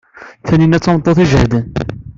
Tanina d tameṭṭut iǧehden.